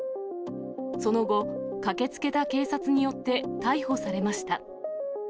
その後、駆けつけた警察によって逮捕されました。